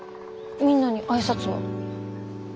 みんなに挨拶は？